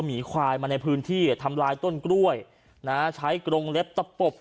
หมีควายมาในพื้นที่ทำลายต้นกล้วยนะฮะใช้กรงเล็บตะปบ